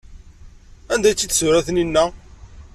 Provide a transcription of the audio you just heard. Anda ay tt-id-tufa Taninna?